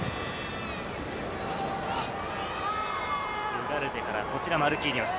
ウガルテからこちらマルキーニョス。